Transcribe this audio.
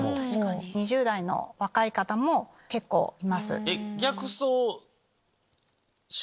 ２０代の若い方も結構います。